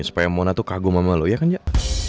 supaya mona tuh kagum sama lo iya kan jak